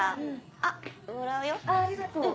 ありがとう。